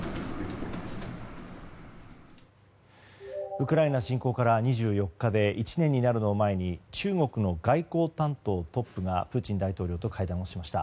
ウクライナ侵攻から２４日で１年になるのを前に中国の外交担当トップがプーチン大統領と会談しました。